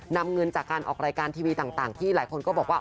นำเงินจากการออกรายการทีวีต่างที่หลายคนก็บอกว่า